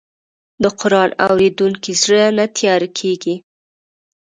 د قرآن اورېدونکی زړه نه تیاره کېږي.